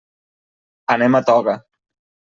Anem a Toga.